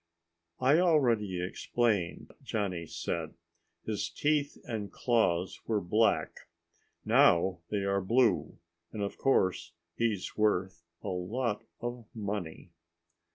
"I already explained," Johnny said. "His teeth and claws were black. Now they are blue and, of course, he's worth a lot of money."